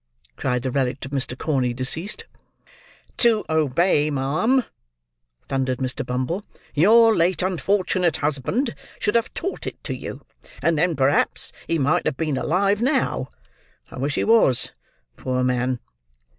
cried the relict of Mr. Corney deceased. "To obey, ma'am," thundered Mr. Bumble. "Your late unfortunate husband should have taught it you; and then, perhaps, he might have been alive now. I wish he was, poor man!"